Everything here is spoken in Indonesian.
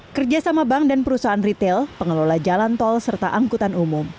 kerjasama bank dan perusahaan retail pengelola jalan tol serta angkutan umum